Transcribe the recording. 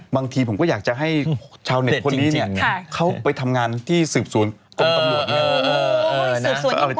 บางทีผมก็อยากจะให้ชาวเน็ตคนนี้เนี่ยเขาไปทำงานที่สืบสวนกรมตำรวจเนี่ย